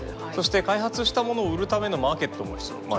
そして開発したものを売るためのマーケットも必要。